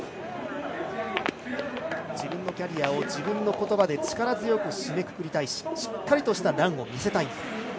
自分のキャリアを自分の言葉で力強く締めくくりたいししっかりとしたランを見せたい。